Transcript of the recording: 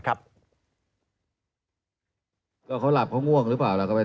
ก็เขาหลับเขาม่วงหรือเปล่าไปถามเขาดู